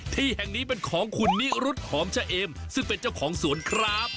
ที่แห่งนี้เป็นของคุณนิรุธหอมชะเอมซึ่งเป็นเจ้าของสวนครับ